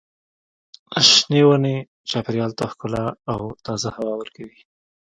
شنې ونې چاپېریال ته ښکلا او تازه هوا ورکوي.